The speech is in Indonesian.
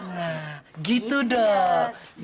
nah gitu dong